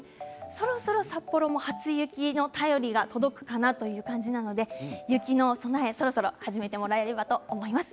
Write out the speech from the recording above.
そろそろ札幌も初雪の便りが届くかなという感じなので雪の備えそろそろ始めてもらえればと思います。